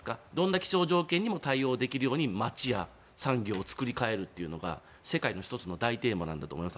どんな気象条件にも対応できる街に作り替えるというのが世界の１つの大テーマになると思います。